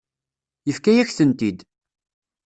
Yefka-yak-tent-id.